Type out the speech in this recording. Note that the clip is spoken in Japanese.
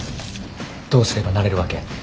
どうすればなれるわけ？